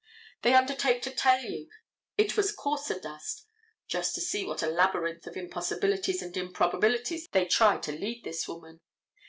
They undertake to tell you it was coarser dust. Just see into what a labyrinth of impossibilities and improbabilities they try to lead this woman.